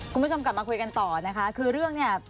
คุณผู้ชมกลับมาคุยกันต่อนะคะคือเรื่องเนี่ย